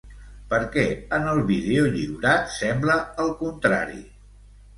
Per què en el vídeo lliurat sembla el contrari?